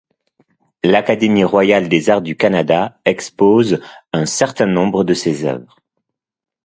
L’Académie royale des arts du Canada expose un certain nombre de ses œuvres.